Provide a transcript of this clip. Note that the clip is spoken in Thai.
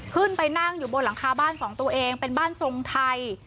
ขึ้นไปนั่งอยู่บนหลังคาบ้านของตัวเองเป็นบ้านทรงไทย